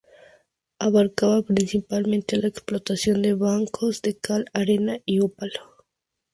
Abarcaba principalmente la explotación de bancos de cal, arena y ópalo.